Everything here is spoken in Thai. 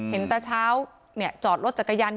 เห็นตาเช้าจอดรถจักรยานยนต์